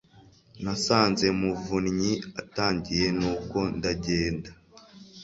Nasanze Muvunnyi atagiye nuko ndagenda